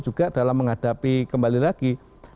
juga dalam menghadapi kembali lagi